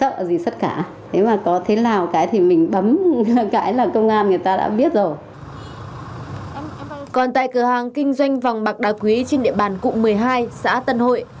lắp đặt hệ thống cửa hàng kinh doanh vòng bạc đà quý trên địa bàn cụ một mươi hai xã tân hội